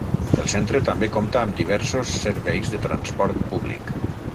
El centre també compta amb diversos serveis de transport públic.